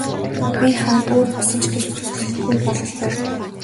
Бие хаа нь өөр болсон ч гэж нөхцөлгүй бололтой.